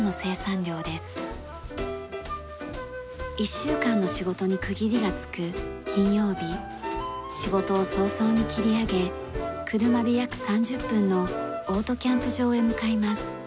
１週間の仕事に区切りがつく金曜日仕事を早々に切り上げ車で約３０分のオートキャンプ場へ向かいます。